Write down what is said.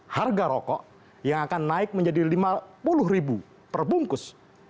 harga rokok yang akan naik menjadi rp lima puluh perbungkus